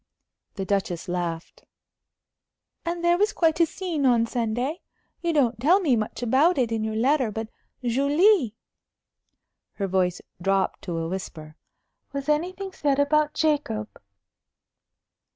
The Duchess laughed. "And there was quite a scene on Sunday? You don't tell me much about it in your letter. But, Julie" her voice dropped to a whisper "was anything said about Jacob?"